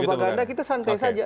propaganda kita santai saja